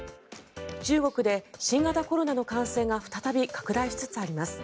中国で新型コロナの感染が再び拡大しつつあります。